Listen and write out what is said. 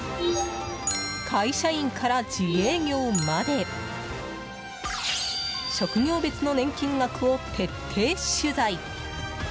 会社員から自営業まで職業別の年金額を徹底取材。